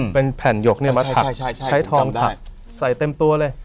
เป็นแผ่นหยกมาถักใช้ทองถักใส่เต็มตัวเลย